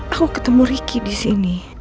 aku ketemu ricky di sini